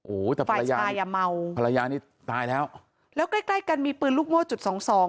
โอ้โหแต่ภรรยาตายอ่ะเมาภรรยานี่ตายแล้วแล้วใกล้ใกล้กันมีปืนลูกโม่จุดสองสอง